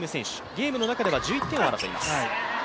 ゲームの中では１１点を争います。